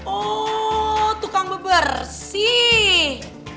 oh tukang bebersih